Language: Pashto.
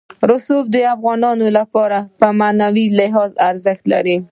رسوب د افغانانو لپاره په معنوي لحاظ ارزښت لري.